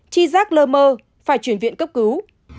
chi giác lơ mơ phải chuyển viện cấp cứu